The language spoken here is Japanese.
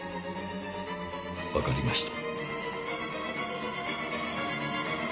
分かりました。